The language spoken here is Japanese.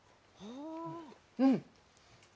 うん！